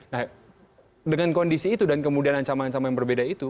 nah dengan kondisi itu dan kemudian ancaman ancaman yang berbeda itu